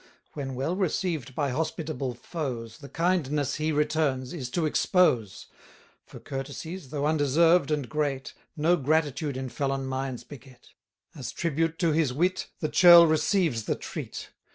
When well received by hospitable foes, The kindness he returns, is to expose: For courtesies, though undeserved and great, 1170 No gratitude in felon minds beget; As tribute to his wit, the churl receives the treat.